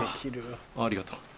ありがとう。